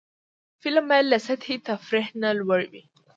فلم باید له سطحي تفریح نه لوړ وي